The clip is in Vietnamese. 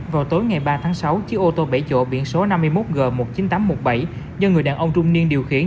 vào tối ngày ba tháng sáu chiếc ô tô bảy chỗ biển số năm mươi một g một mươi chín nghìn tám trăm một mươi bảy do người đàn ông trung niên điều khiển